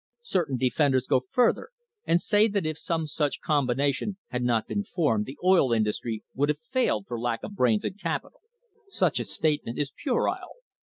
Certain defenders go further and say that if some such com bination had not been formed the oil industry would have failed for lack of brains and capital. Such a statement is puerile.